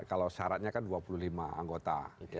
kalau syaratnya kan dua puluh lima anggota